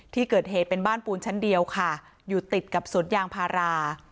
ที่เกิดเหตุเป็นบ้านปูนชั้นเดียวค่ะอยู่ติดกับสวนยางพารา